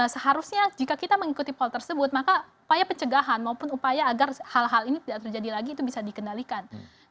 seharusnya jika kita mengikuti hal tersebut maka upaya pencegahan maupun upaya agar hal hal ini tidak terjadi lagi itu bisa dikendalikan